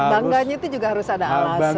bangganya itu juga harus ada alasan